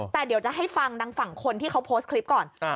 แต่เดี๋ยวจะให้ฟังดังฝั่งคนที่เขาโพสต์คลิปก่อน